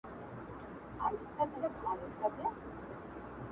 په ښو پردي خپلېږي.